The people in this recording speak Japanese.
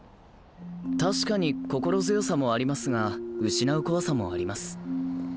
確かに心強さもありますが失う怖さもあります。